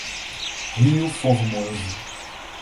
Rio Formoso